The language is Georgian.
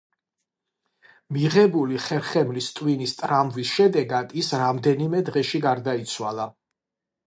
მიღებული ხერხემლის ტვინის ტრავმის შედეგად, ის რამდენიმე დღეში გარდაიცვალა.